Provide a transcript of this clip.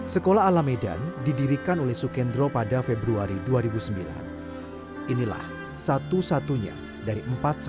sekolah ala medan didirikan oleh sukendro pada februari dua ribu sembilan inilah satu satunya dari empat sekolah